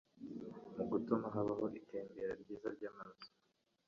mu gutuma habaho itembera ryiza ry'amaraso